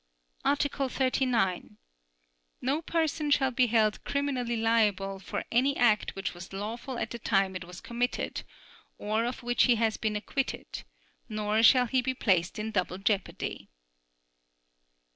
Article 39. No person shall be held criminally liable for an act which was lawful at the time it was committed, or of which he has been acquitted, nor shall he be placed in double jeopardy.